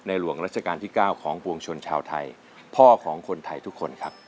หลวงราชการที่๙ของปวงชนชาวไทยพ่อของคนไทยทุกคนครับ